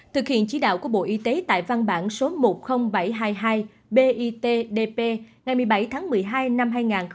thực hiện chỉ đạo của bộ y tế tại văn bản số một mươi nghìn bảy trăm hai mươi hai bitdp ngày một mươi bảy tháng một mươi hai năm hai nghìn một mươi bảy